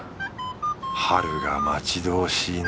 春が待ち遠しいな。